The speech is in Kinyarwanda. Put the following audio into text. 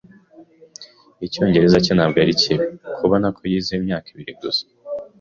Icyongereza cye ntabwo ari kibi, kubona ko yize imyaka ibiri gusa.